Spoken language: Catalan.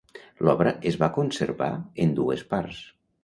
L’obra es va conservar en dues parts.